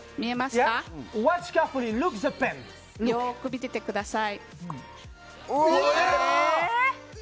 よく見ててください。